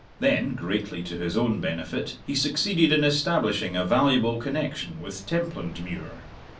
Then, greatly to his own benefit, he succeeded in establishing a valuable connection with Templandmuir.